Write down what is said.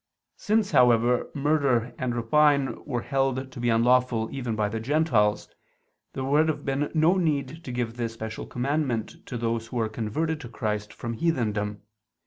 Since, however, murder and rapine were held to be unlawful even by the Gentiles, there would have been no need to give this special commandment to those who were converted to Christ from heathendom.